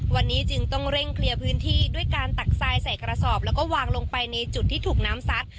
วันนี้จึงต้องเร่งเคลียร์พื้นที่ด้วยการตักทรายใส่กระสอบแล้วก็วางลงไปในจุดที่ถูกน้ำซัด